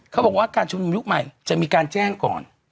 เขาบอกว่าการชุมนุมยุคใหม่จะมีการแจ้งก่อน